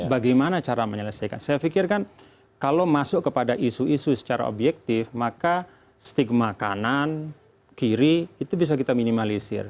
bagaimana cara menyelesaikan saya pikirkan kalau masuk kepada isu isu secara objektif maka stigma